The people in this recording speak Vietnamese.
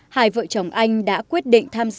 hai vợ chồng anh đã quyết định tham gia